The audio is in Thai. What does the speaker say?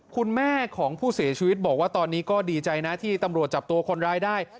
คุณแม่ของผู้เสียชีวิตบอกว่าตอนนี้ก็ดีใจนะที่ตำรวจจับตัวคนร้ายได้